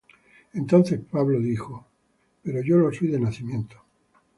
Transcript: Entonces Pablo dijo: Pero yo lo soy de nacimiento.